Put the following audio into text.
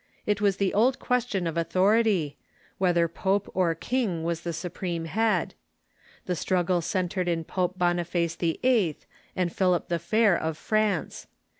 It was the old question of authority — whether pope or king was the supreme head. The struggle centred in Pope Boniface VIII. and Philip the Fair of France.